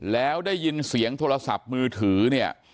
แล้วได้ยินเสียงโทรศัพท์มือถือเนี่ย